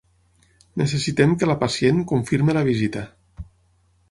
Necessitem que la pacient confirmi la visita.